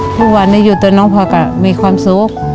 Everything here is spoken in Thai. พรุฒานี่อยู่ตรงน้องพอร์ก็มีความสุข